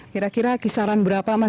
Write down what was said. kira kira kisaran berapa